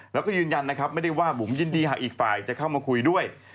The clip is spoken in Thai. แล้วก็ยืนยันนะครับไม่ได้ว่าบุ๋มยินดีหากอีกฝ่ายจะเข้ามาคุยด้วย